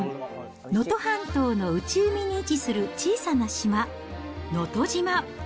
能登半島の内海に位置する小さな島、能登島。